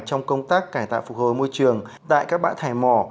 trong công tác cải tạo phục hồi môi trường tại các bãi thải mỏ